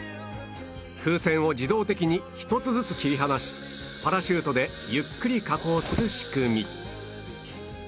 風船を自動的に１つずつ切り離しパラシュートでゆっくり下降する仕組み